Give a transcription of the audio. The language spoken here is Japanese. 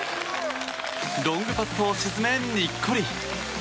ロングパットを沈めニッコリ！